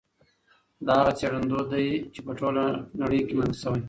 دا هغه څېړندود دئ چي په ټوله نړۍ کي منل شوی.